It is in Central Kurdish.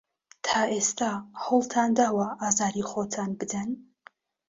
تا ئێستا هەوڵتان داوە ئازاری خۆتان بدەن؟